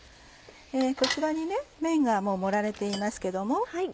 こちらに麺が盛られていますけども。